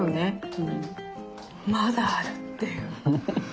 まだあるっていう。